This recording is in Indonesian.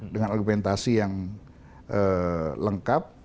dengan argumentasi yang lengkap